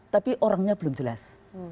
tapi orangnya belum jelas